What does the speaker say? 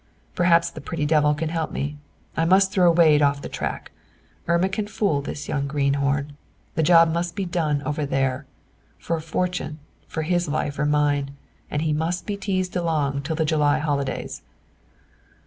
Perhaps the pretty devil can help me. I must throw Wade off the track. Irma can fool this young greenhorn. The job must be done over there. For a fortune, for his life or mine; and he must be teased along till the July holidays."